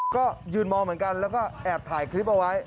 ก็ยืนมองเหมือนกันแล้วก็แอบถ่ายคลิปเอาไว้